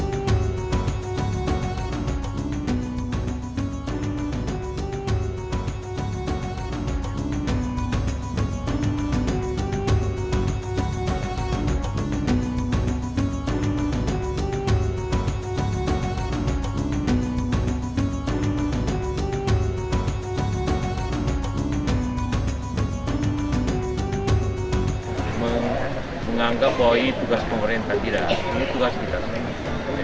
menganggap bahwa ini tugas pemerintah tidak ini tugas kita sendiri